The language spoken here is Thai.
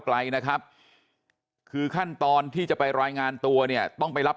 ไกลนะครับคือขั้นตอนที่จะไปรายงานตัวเนี่ยต้องไปรับ